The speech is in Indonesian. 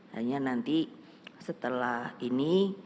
hanya nanti setelah ini